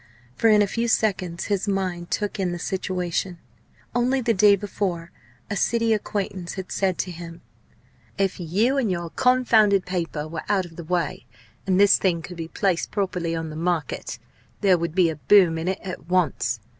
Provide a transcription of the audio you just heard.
For in a few seconds his mind took in the situation. Only the day before, a city acquaintance had said to him, "If you and your confounded paper were out of the way, and this thing could be placed properly on the market, there would be a boom in it at once.